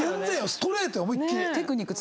ストレートよ思いっきり。